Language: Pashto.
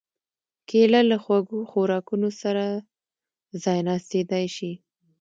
کېله له خوږو خوراکونو سره ځایناستېدای شي.